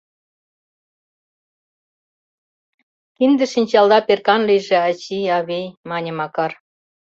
— Кинде шинчалда перкан лийже, ачий, авий, — мане Макар.